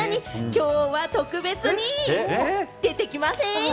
きょうは特別に出てきません。